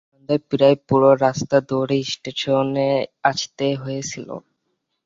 ঐদিন সন্ধায় প্রায় পুরো রাস্তা দৌড়ে স্টেশনে আসতে হয়েছিল।